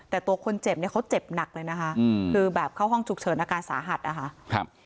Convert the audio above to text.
แต่ตัวคนเจ็บเนี่ยเขาเจ็บหนักเลยนะคะคือแบบเข้าห้องฉุกเฉินอาการสาหัสนะคะ